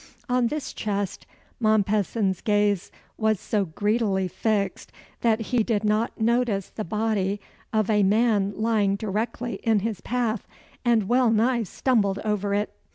On this chest Mompesson's gaze was so greedily fixed that he did not notice the body of a man lying directly in his path, and well nigh stumbled over it.